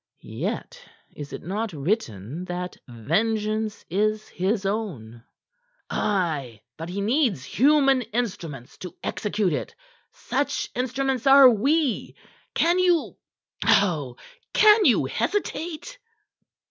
"Yet is it not written that 'vengeance is His own'?" "Aye, but He needs human instruments to execute it. Such instruments are we. Can you Oh, can you hesitate?"